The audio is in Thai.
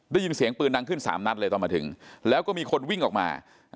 ได้ยินเสียงปืนดังขึ้น๓นัดเลยตอนมาถึงแล้วก็มีคนวิ่งออกมา